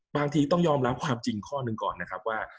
บางทีต้องยอมรับความจริงข้อหนึ่งก่อนนะครับว่า